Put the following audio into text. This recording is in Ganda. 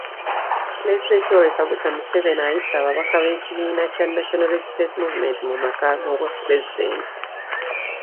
Pulezident Yoweri Kaguta Museveni ayise ababaka b'ekibiina kya National Resistance Movement mu maka g'obwapulezidenti